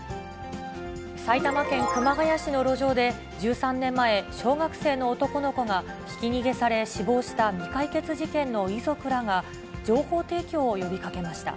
埼玉県熊谷市の路上で、１３年前、小学生の男の子がひき逃げされ、死亡した未解決事件の遺族らが、情報提供を呼びかけました。